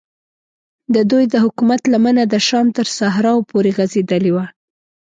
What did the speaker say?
ددوی د حکومت لمنه د شام تر صحراو پورې غځېدلې وه.